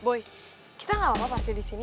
boi kita gak apa apa pake disini